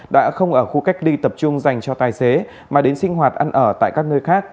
đã không ở khu cách ly tập trung dành cho tài xế mà đến sinh hoạt ăn ở tại các nơi khác